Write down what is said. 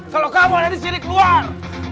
kalau kamu ada disini keluar